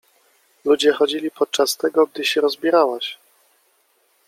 Ludzie chodzili podczas tego, gdy się rozbierałaś.